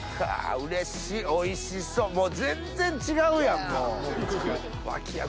うれしいおいしそうもう全然違うやんもう。